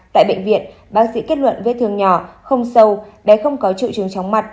tại bệnh viện bác sĩ kết luận vết thương nhỏ không sâu đáy không có trự trường chóng mặt